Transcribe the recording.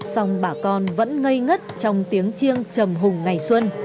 xong bà con vẫn ngây ngất trong tiếng chiêng trầm hùng ngày xuân